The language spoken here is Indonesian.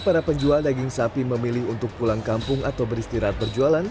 para penjual daging sapi memilih untuk pulang kampung atau beristirahat berjualan